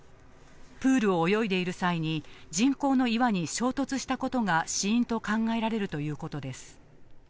プールを泳いでいる際に、人工の岩に衝突したことが死因と考えられるということです。